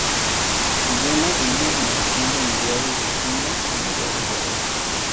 Vuela en una generación, de mediados de junio a mediados de agosto.